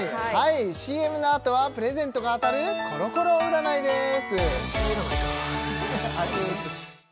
ＣＭのあとはプレゼントが当たるコロコロ占いです